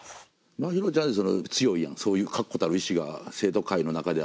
まひろちゃんって強いやんそういう確固たる意志が生徒会の中ではあるから。